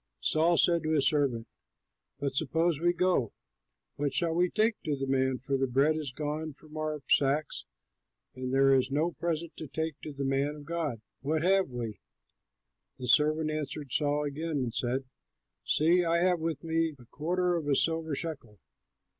Saul said to his servant, "But, suppose we go, what shall we take to the man, for the bread is gone from our sacks, and there is no present to take to the man of God? What have we?" The servant answered Saul again and said, "See, I have with me a quarter of a silver shekel.